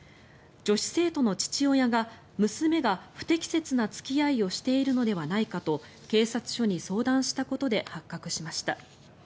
女子生徒の父親が娘が不適切な付き合いをしているのではないかと警察署に相談したことで発覚しました。